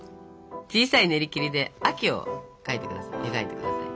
小さいねりきりで秋を描いて下さい。